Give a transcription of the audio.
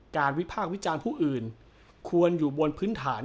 วิพากษ์วิจารณ์ผู้อื่นควรอยู่บนพื้นฐาน